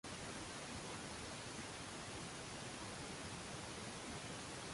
There is no vice president in the Israeli governmental system.